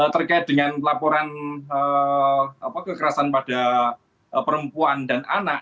terkait dengan laporan kekerasan pada perempuan dan anak